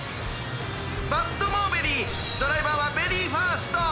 「バットモーベリドライバーはベリーファースト！」。